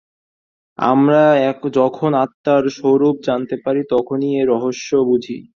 আমরা যখন আত্মার স্বরূপ জানতে পারি, তখনই ঐ রহস্য বুঝি।